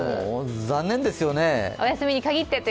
残念ですよね。